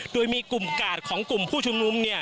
ด้วยมีกุมกาดของกุมพู้ชุมนุ่ม